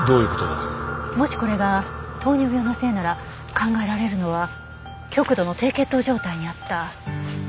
もしこれが糖尿病のせいなら考えられるのは極度の低血糖状態にあった。